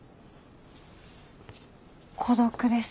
孤独です。